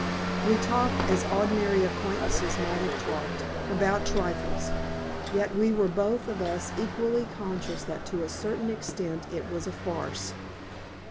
We talked as ordinary acquaintances might have talked, about trifles. Yet we were both of us equally conscious that to a certain extent it was a farce.